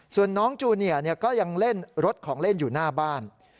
ส่วนน้องจูเนียก็ยังเล่นรถของเล่นอยู่หน้าบ้าน